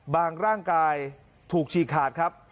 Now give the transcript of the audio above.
บางร่างกายถูกชี่ขาดครับ